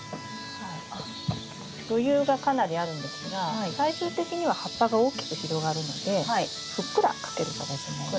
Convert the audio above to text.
余裕がかなりあるんですが最終的には葉っぱが大きく広がるのでふっくらかける形になります。